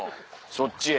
そっちへ。